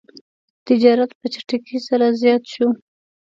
تجارت په چټکۍ سره زیات شو.